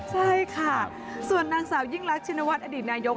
ใช่ค่ะส่วนนางสาวยิ่งรักชิณวรรดินาโยค